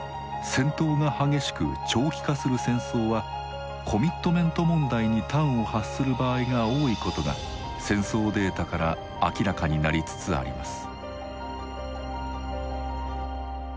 戦闘が激しく長期化する戦争はコミットメント問題に端を発する場合が多いことが戦争データから明らかになりつつあります。